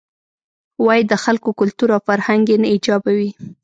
وایې د خلکو کلتور او فرهنګ یې نه ایجابوي.